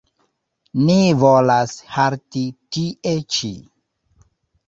Ni volas halti tie ĉi.